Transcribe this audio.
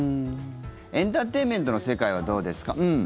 エンターテインメントの世界はどうですか？